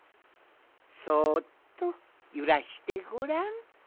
そっとゆらしてごらん。